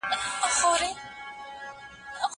زه کتابونه ليکلي دي!.